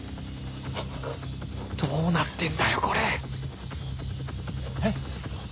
どうなってんだよこれ！